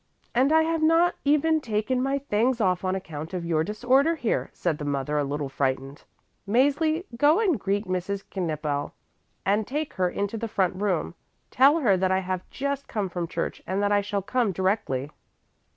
"And I have not even taken my things off on account of your disorder here," said the mother a little frightened. "Mäzli, go and greet Mrs. Knippel and take her into the front room. Tell her that I have just come from church and that I shall come directly."